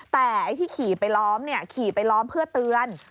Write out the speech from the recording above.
แต่ไอ้ที่ขี่ไปล้อมขี่ไปล้อมเพื่อเตือน